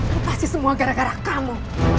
apa sih semua gara gara kamu